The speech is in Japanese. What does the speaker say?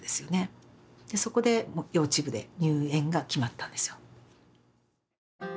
そこで幼稚部で入園が決まったんですよ。